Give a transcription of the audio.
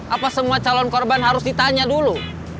apa semua calon korban harus ditanya dulu